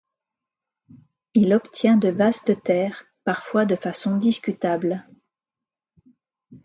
Il obtient de vastes terres, parfois de façon discutable.